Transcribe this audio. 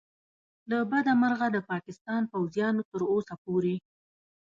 له بده مرغه د پاکستان پوځیانو تر اوسه پورې